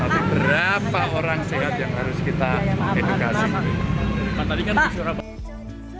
tapi berapa orang sehat yang harus kita edukasi